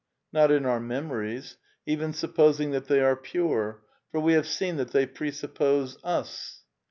Not in our memories, even supposing that they are pure, for we have seen that they presuppose vs.